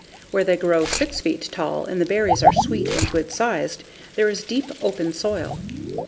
Where they grow 6 feet tall and the berries are sweet and good sized, there is deep, open soil.